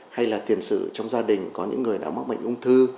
hay là tiền sự trong gia đình có những người đã mắc bệnh ung thư